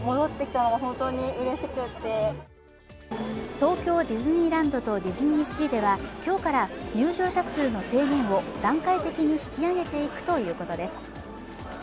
東京ディズニーランドとディズニーシーでは今日から入場者数の制限を段階的に引き上げていくということです。